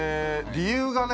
理由がね